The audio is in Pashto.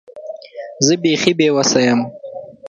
زه بیخي بې وسه یم .